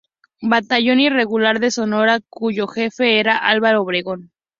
Batallón Irregular de Sonora, cuyo Jefe era Álvaro Obregón.